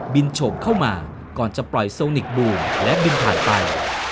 โฉมเข้ามาก่อนจะปล่อยโซนิกบูมและบินผ่านไป